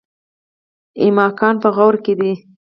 ایماقان په غور کې دي؟